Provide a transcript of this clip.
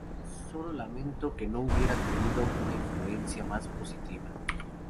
Sólo lamento que no hubiera tenido una influencia más positiva".